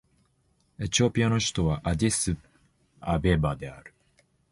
エチオピアの首都はアディスアベバである